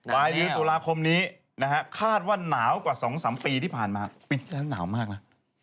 ปลายเดือนตุลาคมนี้นะฮะคาดว่าหนาวกว่า๒๓ปีที่ผ่านมาปีที่แล้วหนาวมากนะ